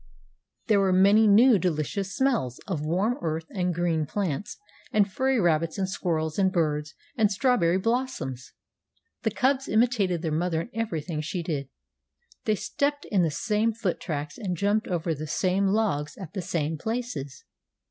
There were many new delicious smells of warm earth and green plants and furry rabbits and squirrels and birds and strawberry blossoms. The cubs imitated their mother in everything she did. They stepped in the same foot tracks, and jumped over the same logs at the same places.